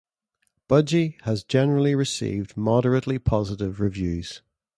"Budgie" has generally received moderately positive reviews.